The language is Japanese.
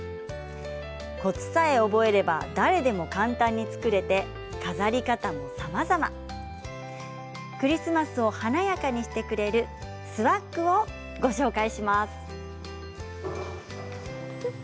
コツさえ覚えれば誰でも簡単に作れて飾り方もさまざまクリスマスを華やかにしてくれるスワッグをご紹介します。